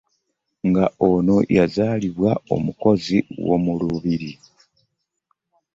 Nga ono yazalibwa omukozi womulubiri.